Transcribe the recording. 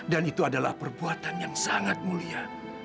dan itu adalah perbuatan yang sangat mulia